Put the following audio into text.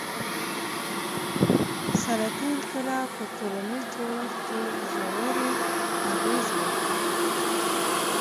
• صنعتي انقلاب پر ټولنیز جوړښت ژورې اغیزې وکړې.